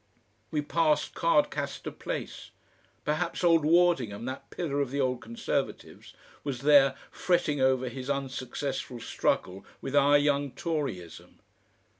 We passed Cardcaster Place. Perhaps old Wardingham, that pillar of the old Conservatives, was there, fretting over his unsuccessful struggle with our young Toryism.